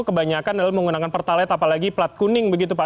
kebanyakan menggunakan pertalit apalagi plat kuning begitu pak